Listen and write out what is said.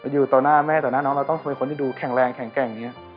อยู่ต่อหน้าแม่ต่อหน้าน้องเราต้องเป็นคนที่ดูแข็งแรงแข็งแกร่งอย่างนี้